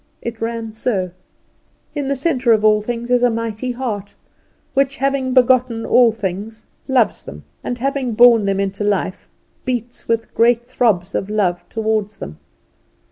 It ran so: In the centre of all things is a mighty Heart, which, having begotten all things, loves them; and, having born them into life, beats with great throbs of love towards them.